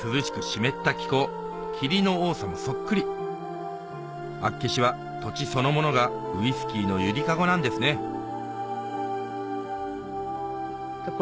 湿った気候霧の多さもそっくり厚岸は土地そのものがウイスキーの揺り籠なんですねお！